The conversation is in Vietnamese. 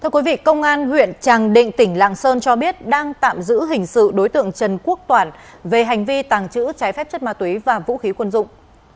công an huyện tràng định tỉnh lạng sơn cho biết đang tạm giữ hình sự đối tượng trần quốc toàn về hành vi tàng trữ trái phép chất ma túy và vũ khí quân dụng